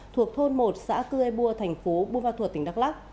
thuộc thôn một xã cư ê bua thành phố bunga thuột tỉnh đắk lắk